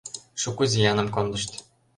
Шуко зияным кондышт.